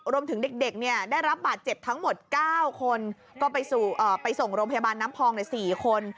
รวมถึงเด็กเนี่ยได้รับบาดเจ็บทั้งหมด๙คนก็ไปส่งโรงพยาบาลน้ำพองใน๔คน